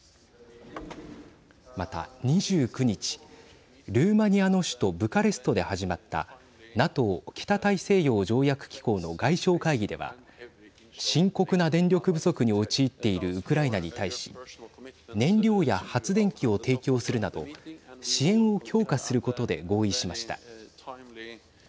また、２９日ルーマニアの首都ブカレストで始まったＮＡＴＯ＝北大西洋条約機構の外相会議では深刻な電力不足に陥っているウクライナに対し燃料や発電機を提供するなど支援を強化することで合意しました。